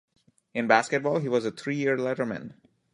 In basketball, he was a three-year letterman.